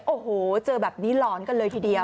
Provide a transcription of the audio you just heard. โอ้โหเจอแบบนี้หลอนกันเลยทีเดียว